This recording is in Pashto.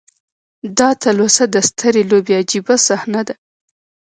دا تلوسه د سترې لوبې عجیبه صحنه ده.